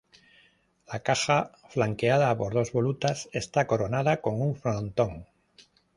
La caja, flanqueada por dos volutas, esta coronada con un frontón.